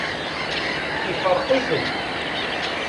Ifṛeq-iten.